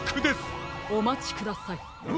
おまちください。